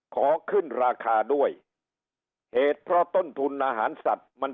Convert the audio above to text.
ขอขึ้นราคาด้วยเหตุเพราะต้นทุนอาหารสัตว์มัน